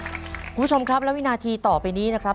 คุณผู้ชมครับและวินาทีต่อไปนี้นะครับ